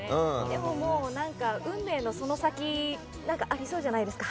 でも、運命のその先がありそうじゃないですか。